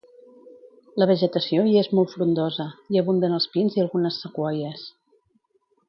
La vegetació hi és molt frondosa; hi abunden els pins i algunes sequoies.